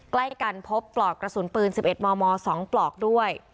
ใกล้กันพบปลอกกระสุนปืน๑๑มม๒ปลอกด้วย